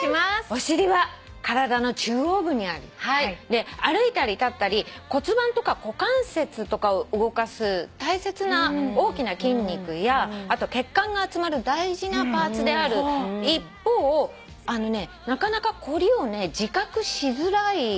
お尻は体の中央部にあり歩いたり立ったり骨盤とか股関節とかを動かす大切な大きな筋肉やあと血管が集まる大事なパーツである一方なかなか凝りを自覚しづらい。